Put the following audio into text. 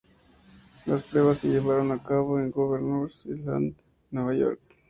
Las pruebas se llevaron a cabo en Governors Island, Nueva York.